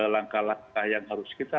langkah langkah yang harus kita